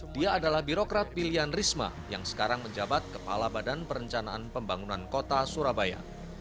dia adalah birokrat pilihan risma yang sekarang menjabat kepala badan perencanaan pembangunan kota surabaya